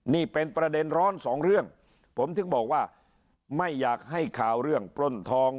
นี่เป็นประเด็นร้อนสองเรื่องผมถึงบอกว่าไม่อยากให้ข่าวเรื่องปล้นทอง